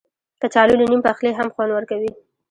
کچالو له نیم پخلي هم خوند ورکوي